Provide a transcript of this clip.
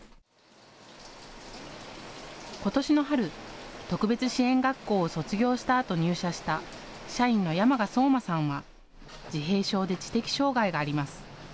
ことしの春、特別支援学校を卒業したあと入社した社員の山家颯馬さんは自閉症で知的障害があります。